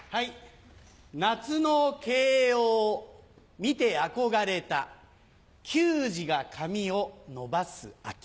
夏の慶應見て憧れた球児が髪を伸ばす秋。